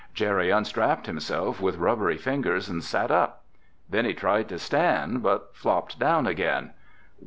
Jerry unstrapped himself with rubbery fingers and sat up. Then he tried to stand, but flopped down again.